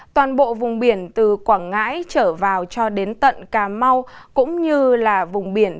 toàn bộ vùng biển từ quảng ngãi trở vào cho đến tận cà mau cũng như là vùng biển